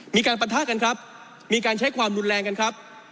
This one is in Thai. ปะทะกันครับมีการใช้ความรุนแรงกันครับ